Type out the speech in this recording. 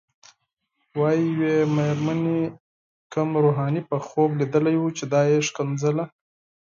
وايي یوې مېرمنې کوم روحاني په خوب لیدلی و چې دا یې ښکنځله.